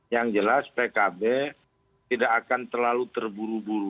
yang jelas pkb tidak akan terlalu terburu buru